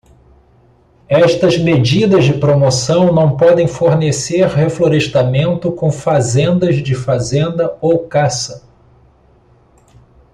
Estas medidas de promoção não podem fornecer reflorestamento com fazendas de fazenda ou caça.